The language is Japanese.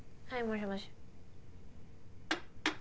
はい。